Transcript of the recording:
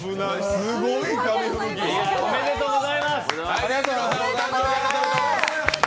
おめでとうございます。